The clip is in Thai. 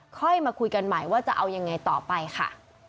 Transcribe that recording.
ค่อยมาคุยกันใหม่ว่าจะเอายังไงต่อไปค่ะ